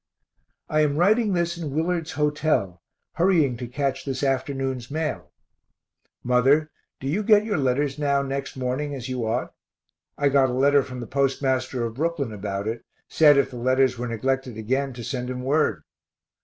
I am writing this in Willard's hotel, hurrying to catch this afternoon's mail. Mother, do you get your letters now next morning, as you ought? I got a letter from the postmaster of Brooklyn about it said if the letters were neglected again, to send him word.